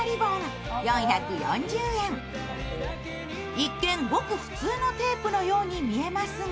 一見ごく普通のテープのように見えますが